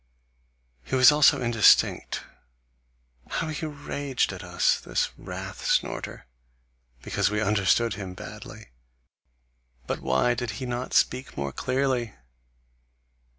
He was also indistinct. How he raged at us, this wrath snorter, because we understood him badly! But why did he not speak more clearly?